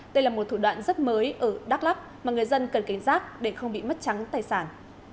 đây là một thủ đoạn rất mới ở đắk lắk mà người dân cần cảnh giác để không bị mất trắng tài sản